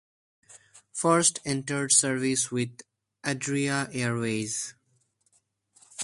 First entered service with Adria Airways.